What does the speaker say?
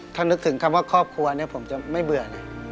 ถ้านึกถึงคำว่าครอบครัวผมจะไม่เบื่อ